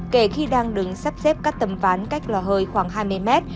kể khi đang đứng sắp xếp các tầm ván cách lò hơi khoảng hai mươi mét